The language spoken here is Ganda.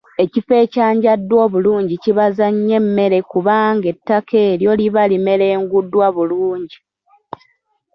Ekifo ekyanjaddwa obulungi kibaza nnyo emmere kubanga ettaka eryo liba limerenguddwa bulungi.